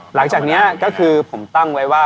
หลังจากนี้ก็คือผมตั้งไว้ว่า